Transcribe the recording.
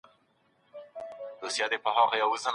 سګرېټ څکول د سرطان کچه لوړوي.